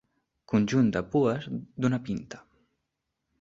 Conjunt de pues d'una pinta.